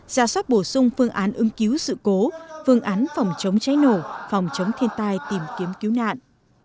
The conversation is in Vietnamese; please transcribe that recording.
ra soát bổ sung phương án ứng cứu sự cố phương án phòng chống cháy nổ phòng chống thiên tai tìm kiếm cứu nạn